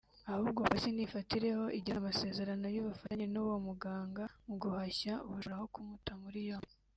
Ahubwo police nifatireho igirane amasezerano y’ubufatanye n’uwo muganga mu guhashya ubujura aho kumuta muri yombi